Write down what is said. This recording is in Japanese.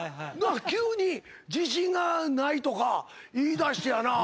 急に自信がないとか言いだしてやなぁ。